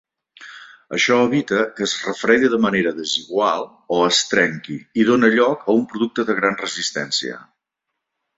Això evita que es refredi de manera desigual o es trenqui i dona lloc a un producte de gran resistència.